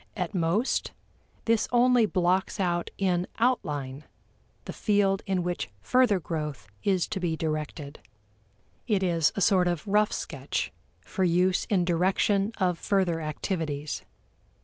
At most, this only blocks out in outline the field in which further growth is to be directed. It is a sort of rough sketch for use in direction of further activities.